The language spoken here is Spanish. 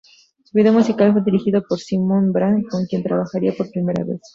Su video musical fue dirigido por Simón Brand, con quien trabajaría por primera vez.